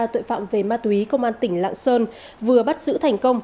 tội phạm về ma túy công an tỉnh lạng sơn vừa bắt giữ thành công